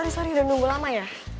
sorry sorry udah menunggu lama ya